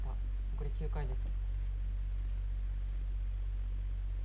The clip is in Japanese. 残り９回です。